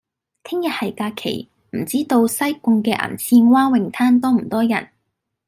聽日係假期，唔知道西貢嘅銀線灣泳灘多唔多人？